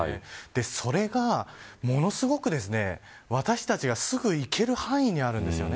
それが、ものすごく私たちがすぐ行ける範囲にあるんです。